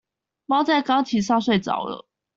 貓在鋼琴上睡著了